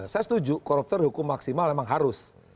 saya setuju koruptor hukum maksimal memang harus